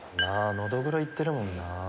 ノドグロいってるもんな。